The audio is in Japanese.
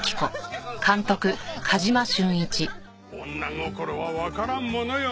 女心はわからんものよのう。